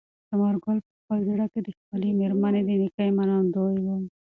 ثمر ګل په خپل زړه کې د خپلې مېرمنې د نېکۍ منندوی و.